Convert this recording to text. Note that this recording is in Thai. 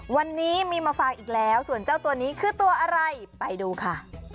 วันนี้มีมาฟังอีกแล้วส่วนเจ้าตัวนี้คือตัวอะไรไปดูค่ะ